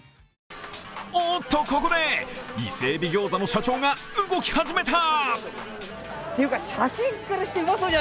おっと、ここで伊勢海老餃子の社長が動き始めた。